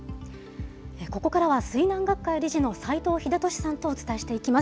ここからは水難学会理事の斎藤秀俊さんとお伝えしていきます。